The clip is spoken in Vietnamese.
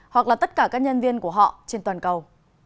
hoặc là tất cả các nhân viên của họ trên toàn cầu